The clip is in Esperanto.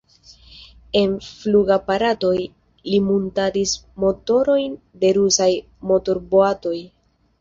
En flugaparatoj li muntadis motorojn de rusaj motorboatoj.